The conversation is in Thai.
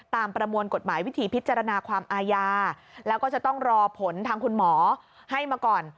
ประมวลกฎหมายวิธีพิจารณาความอาญาแล้วก็จะต้องรอผลทางคุณหมอให้มาก่อน